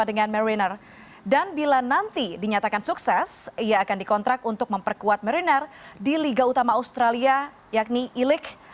dan bila nanti dinyatakan sukses ia akan dikontrak untuk memperkuat mariner di liga utama australia yakni ilic